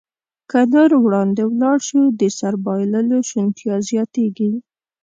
که نور وړاندې ولاړ شو، د سر بایللو شونتیا زیاتېږي.